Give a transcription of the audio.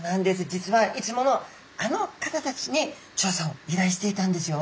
実はいつものあの方たちに調査をいらいしていたんですよ。